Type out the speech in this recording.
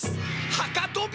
はかとび！？